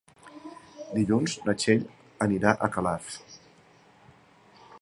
Dilluns na Txell anirà a Calaf.